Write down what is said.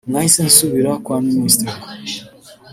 nahise nsubira kwa ministre